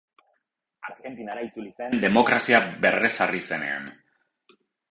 Argentinara itzuli zen demokrazia berrezarri zenean.